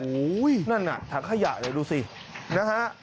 โอ้โหนั่นน่ะถังขยะเลยดูสินะฮะ